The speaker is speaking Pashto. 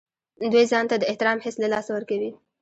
دوی ځان ته د احترام حس له لاسه ورکوي.